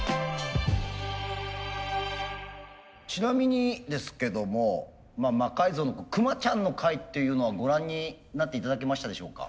ちなみにですけども「魔改造」のクマちゃんの回っていうのはご覧になって頂けましたでしょうか？